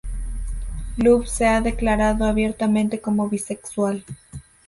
Luv se ha declarado abiertamente como bisexual.